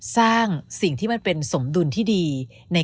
สร้างสิ่งที่มันเป็นสมดุลที่ดี